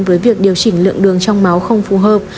với việc điều chỉnh lượng đường trong máu không phù hợp